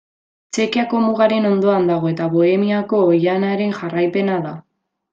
Txekiako mugaren ondoan dago eta Bohemiako oihanaren jarraipena da.